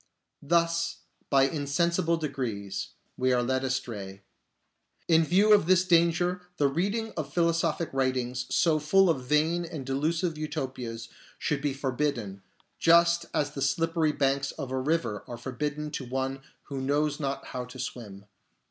Thus, by insensible degrees, we are led astray. In view of this danger the reading of philosophic writings so full of vain and delusive Utopias should be for bidden, just as the slippery banks of a river are forbidden to one who knows not how to swim.